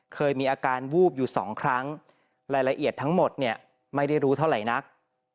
เคยมีอาการวูบอยู่สองครั้งรายละเอียดทั้งหมดเนี่ยไม่ได้รู้เท่าไหร่นัก